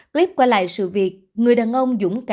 clip quay lại sự việc người đàn ông dũng cảm cứu người sơ cứu